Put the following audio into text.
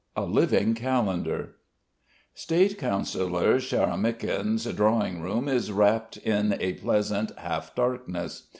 A LIVING CALENDAR State Councillor Sharamykin's drawing room is wrapped in a pleasant half darkness.